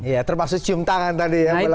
ya termasuk cium tangan tadi ya